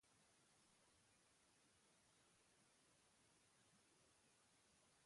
Egun hartan, hego haizeak gogor jo zuen.